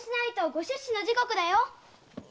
ご出仕の時刻だよ。